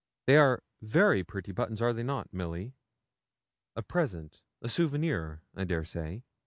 They are very pretty buttons; are not they, Milly? A present, a souvenir, I dare say?'